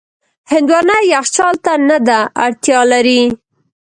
هندوانه یخچال ته نه ده اړتیا لري.